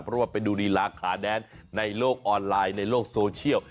เพราะว่าไปดูลีลาขาแดนในโลกออนไลน์ในโลกโซเชียล